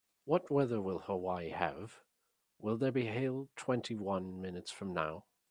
What weather will Hawaii have will there be hail twenty one minutes from now